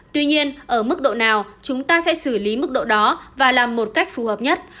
tuy nhiên ở mức độ nào chúng ta sẽ xử lý mức độ đó và làm một cách phù hợp nhất